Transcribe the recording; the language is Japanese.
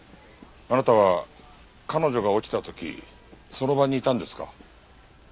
あなたは彼女が落ちた時その場にいたんですか？